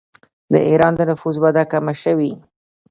د ایران د نفوس وده کمه شوې.